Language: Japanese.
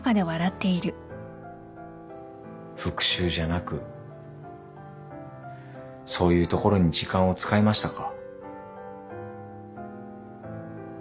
復讐じゃなくそういうところに時間を使いましたか？